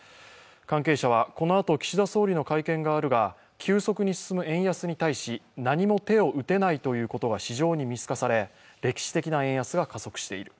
関係者はこのあと岸田総理の会見があるが、急速に進む円安に対し、何も手を打てないということが市場に見透かされ、歴史的な円安が加速している。